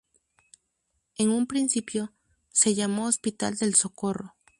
En un principio, se llamó Hospital del Socorro.